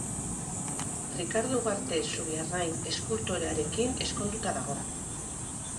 Rikardo Ugarte Zubiarrain eskultorearekin ezkonduta dago.